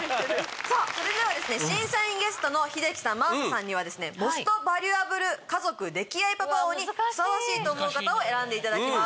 さぁそれでは審査員ゲストの英樹さん真麻さんにはですねモストバリュアブル家族溺愛パパ王にふさわしいと思う方を選んでいただきます。